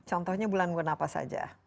contohnya bulan bulan apa saja